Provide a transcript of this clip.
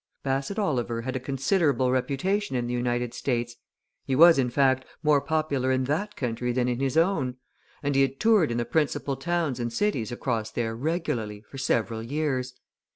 Bassett Oliver had a considerable reputation in the United States he was, in fact, more popular in that country than in his own, and he had toured in the principal towns and cities across there regularly for several years.